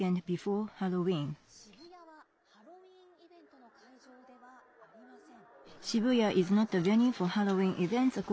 渋谷はハロウィーンイベントの会場ではありません。